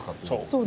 そう。